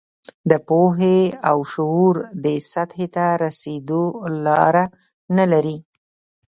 د پوهې او شعور دې سطحې ته رسېدو لاره نه لري.